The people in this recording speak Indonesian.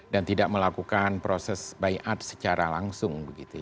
dan tidak melakukan proses by art secara langsung